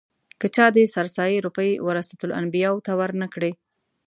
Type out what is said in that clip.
که چا د سرسایې روپۍ ورثه الانبیاوو ته ور نه کړې.